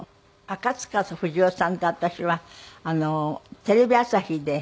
赤塚不二夫さんと私はテレビ朝日で。